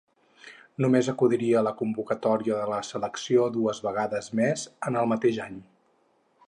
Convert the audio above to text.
Només acudiria a la convocatòria de la selecció dues vegades més en el mateix any.